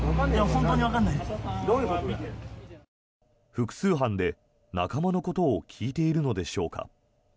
複数犯で、仲間のことを聞いているのでしょうか。